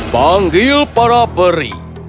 panggil para peri